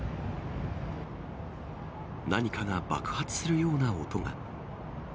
何かが爆発するような音が。